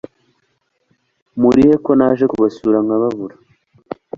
Murihe ko naje kubasura nkababura